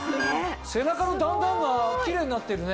背中の段々がキレイになってるね。